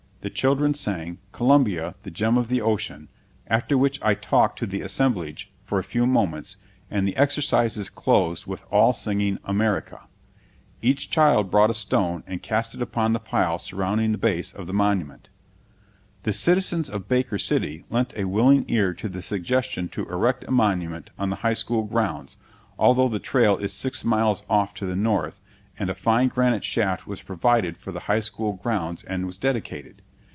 The children sang "Columbia, the Gem of the Ocean," after which I talked to the assemblage for a few moments, and the exercises closed with all singing "America." Each child brought a stone and cast it upon the pile surrounding the base of the monument. The citizens of Baker City lent a willing ear to the suggestion to erect a monument on the high school grounds, although the trail is six miles off to the north, and a fine granite shaft was provided for the high school grounds and was dedicated.